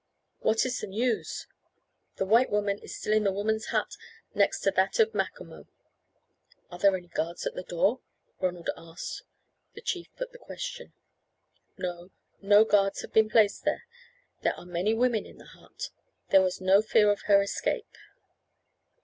"What is the news?" "The white woman is still in the woman's hut next to that of Macomo." "Are there any guards at the door?" Ronald asked. The chief put the question. "No, no guards have been placed there. There are many women in the hut. There was no fear of her escape.